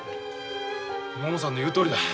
ももさんの言うとおりだ。